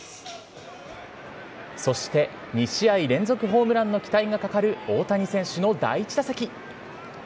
そして２試合連続ホームランの期待がかかる大谷選手の第１打席。